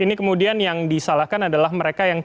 ini kemudian yang disalahkan adalah mereka yang